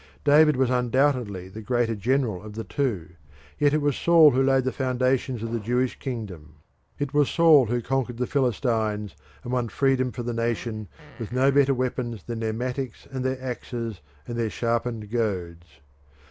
David was undoubtedly the greater general of the two, yet it was Saul who laid the foundations of the Jewish kingdom. It was Saul who conquered the Philistines and won freedom for the nation with no better weapons than their mattocks and their axes and their sharpened goads.